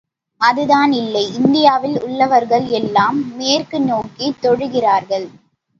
அதுதான் இல்லை, இந்தியாவில் உள்ளவர்கள் எல்லாம் மேற்கு நோக்கித் தொழுகிறார்கள்.